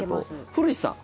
古市さん。